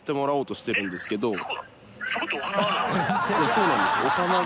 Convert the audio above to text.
そうなんですよ。